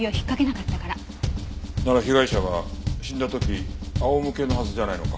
なら被害者は死んだ時仰向けのはずじゃないのか？